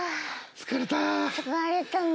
疲れたね。